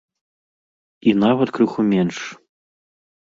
І нават крыху менш.